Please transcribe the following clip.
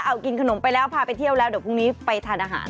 เอากินขนมไปแล้วพาไปเที่ยวแล้วเดี๋ยวพรุ่งนี้ไปทานอาหาร